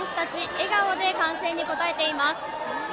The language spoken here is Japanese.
笑顔で歓声に応えています。